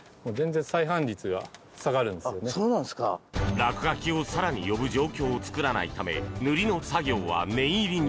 落書きを更に呼ぶ状況を作らないため塗りの作業は念入りに。